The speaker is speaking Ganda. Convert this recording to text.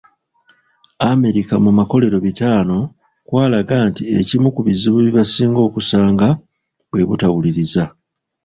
America mu makolero bitaano kwalaga nti ekimu ku bizibu bye basinga okusanga bwe butawuliriza.